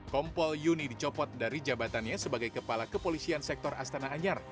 kompol yuni dicopot dari jabatannya sebagai kepala kepolisian sektor astana anyar